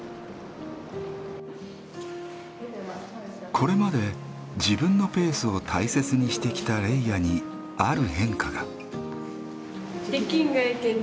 これまで自分のペースを大切にしてきたレイヤにある変化が。